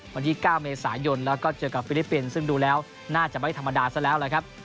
วันที่๙เมษายนแล้วก็เจอกับฟิลิปปินส์ซึ่งดูแล้วน่าจะไม่ธรรมดาซะแล้วล่ะครับ